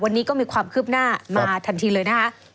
วันนี้ก็มีความคืบหน้ามาทันทีเลยนะคะ